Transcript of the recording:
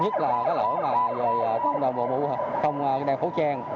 nhất là cái lỗi mà không đồng bụi không đeo khẩu trang